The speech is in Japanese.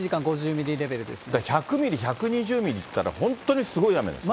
これ、１００ミリ、１２０ミリっていったら、本当にすごい雨なんですね。